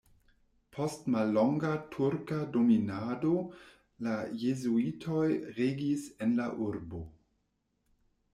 Post mallonga turka dominado la jezuitoj regis en la urbo.